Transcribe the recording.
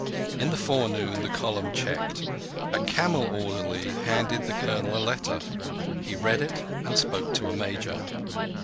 In the forenoon the column checked. A camel orderly handed the Colonel a letter. He read it, and spoke to a Major.